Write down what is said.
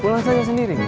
pulang saja sendiri